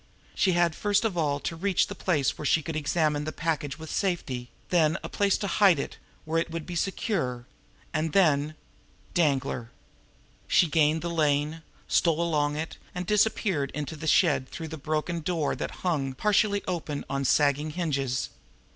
She had first of all to reach a place where she could examine the package with safety; then a place to hide it where it would be secure; and then Danglar! She gained the lane, stole along it, and disappeared into the shed through the broken door that hung, partially open, on sagging hinges.